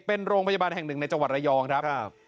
เป็นโรงพยาบาลแห่งหนึ่งในจังหวัดระยองครับ